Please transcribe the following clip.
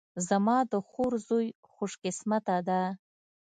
زما د خور زوی خوش قسمته ده